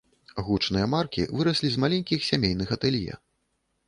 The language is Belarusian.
Гучныя маркі выраслі з маленькіх сямейных атэлье.